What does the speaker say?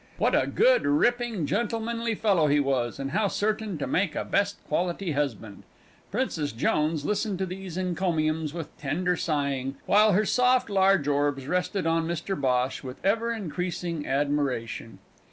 "What a good, ripping, gentlemanly fellow he was, and how certain to make a best quality husband!" Princess Jones listened to these encomiums with tender sighing, while her soft large orbs rested on Mr Bhosh with ever increasing admiration.